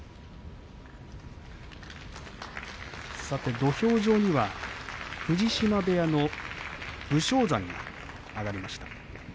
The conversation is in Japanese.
土俵上には藤島部屋の武将山が上がりました。